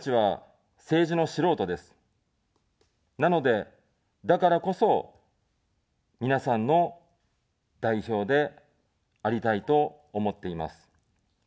なので、だからこそ、皆さんの代表でありたいと思っています。